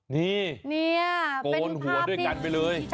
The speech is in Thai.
นี่โกนหัวด้วยกันไปเลย